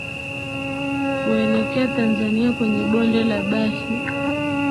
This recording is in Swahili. kuelekea Tanzania kwenye bonde la Bahi